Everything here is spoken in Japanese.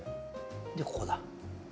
でここだ。